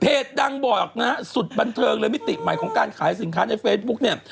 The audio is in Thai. ดังบ่อยออกนะฮะสุดบันเทิงเลยมิติใหม่ของการขายสินค้าในเฟซบุ๊กเนี่ย